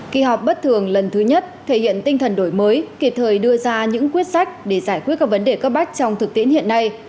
kỳ họp bất thường lần thứ nhất thể hiện tinh thần đổi mới kịp thời đưa ra những quyết sách để giải quyết các vấn đề cấp bách trong thực tiễn hiện nay